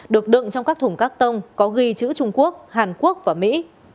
được đựng trong các thùng các tông có ghi chữ trung quốc hàn quốc và mỹ